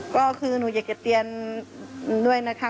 ก็คือหนูอยากจะเตือนด้วยนะคะ